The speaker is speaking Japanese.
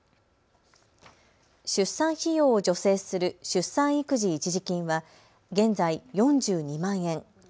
出産費用を助成する出産育児一時金は現在４２万円。